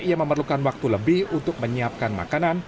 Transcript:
ia memerlukan waktu lebih untuk menyiapkan makanan